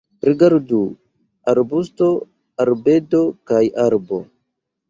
Rigardu: arbusto, arbedo kaj arbo.